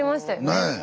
ねえ。